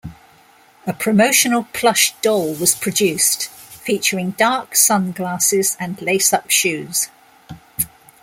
A promotional plush doll was produced, featuring dark sunglasses and lace-up shoes.